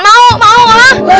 mau mau ah